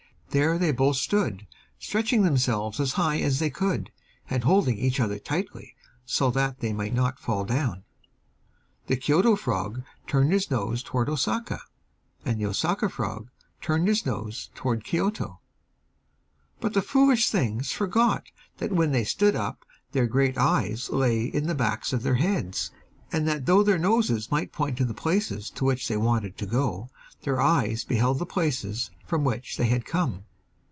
There they both stood, stretching themselves as high as they could, and holding each other tightly, so that they might not fall down. The Kioto frog turned his nose towards Osaka, and the Osaka frog turned his nose towards Kioto; but the foolish things forgot that when they stood up their great eyes lay in the backs of their heads, and that though their noses might point to the places to which they wanted to go their eyes beheld the places from which they had come.